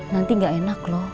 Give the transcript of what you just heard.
nanti gak enak loh